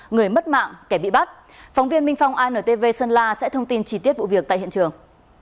người mất mạng kẻ bị bắt phóng viên minh phong antv sơn la sẽ thông tin chi tiết vụ việc tại hiện trường